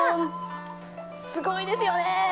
すごいですよね。